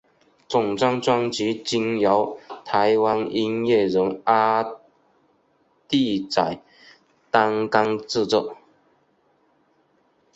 整张专辑均由台湾音乐人阿弟仔担纲制作。